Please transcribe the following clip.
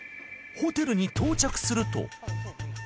ホテルに到着すると。